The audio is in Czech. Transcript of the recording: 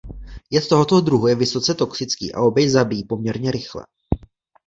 Jed tohoto druhu je vysoce toxický a oběť zabíjí poměrně rychle.